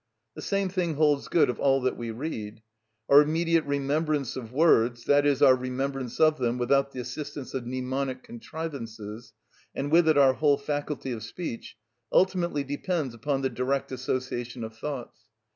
The same thing holds good of all that we read. Our immediate remembrance of words, that is, our remembrance of them without the assistance of mnemonic contrivances, and with it our whole faculty of speech, ultimately depends upon the direct association of thoughts.